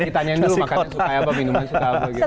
kita tanyain dulu makannya suka apa minuman suka apa gitu